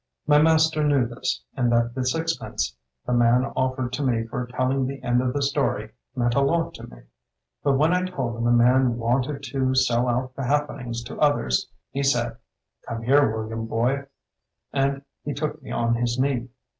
My master knew this, and that the sixpence the man offered to me for telling the end of the story meant a lot to me; but when I told him the man wanted to sell out the happenings to others, he said, 'Come here William, boy,' and he took me on his knee.